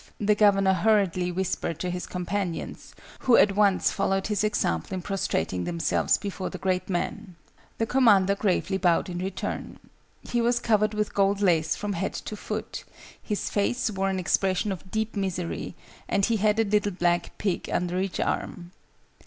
the Governor hurriedly whispered to his companions, who at once followed his example in prostrating themselves before the great man. The Commander gravely bowed in return. He was covered with gold lace from head to foot: his face wore an expression of deep misery: and he had a little black pig under each arm.